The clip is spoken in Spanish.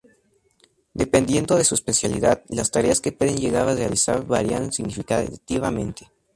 Dependiendo de su especialidad, las tareas que puede llegar a realizar varían significativamente.